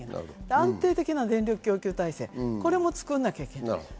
安定的な電力供給体制、これも作らなきゃいけない。